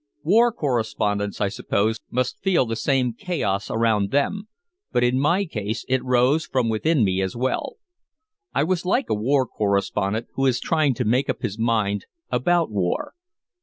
War correspondents, I suppose, must feel the same chaos around them, but in my case it rose from within me as well. I was like a war correspondent who is trying to make up his mind about war.